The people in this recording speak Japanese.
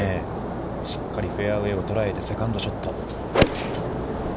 しっかりフェアウェイを捉えて、セカンドショット。